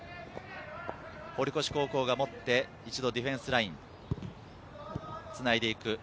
堀越高校が持って一度ディフェンスラインつないでいく。